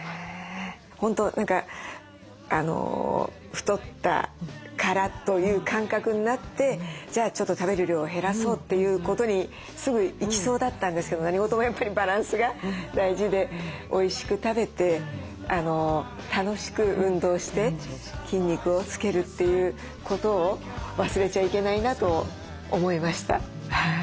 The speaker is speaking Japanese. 本当太ったからという感覚になってじゃあちょっと食べる量を減らそうということにすぐ行きそうだったんですけど何事もやっぱりバランスが大事でおいしく食べて楽しく運動して筋肉をつけるということを忘れちゃいけないなと思いました。